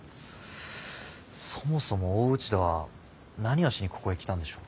そもそも大内田は何をしにここへ来たんでしょう？